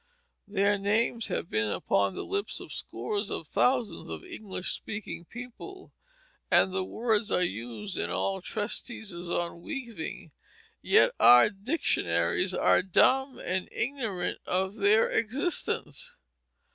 Their names have been upon the lips of scores of thousands of English speaking people, and the words are used in all treatises on weaving; yet our dictionaries are dumb and ignorant of their existence.